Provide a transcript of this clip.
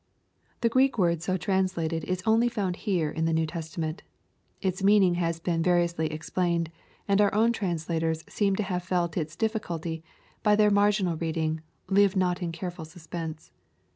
l The Greek word so traasla ted is only found here in the New Testament Its meaning haa been variously explained, and our own translators seem to have felt its difficulty by their marginal reading " live not in careful suspense."